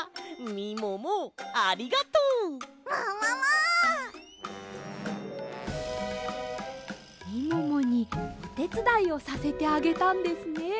みももにおてつだいをさせてあげたんですね？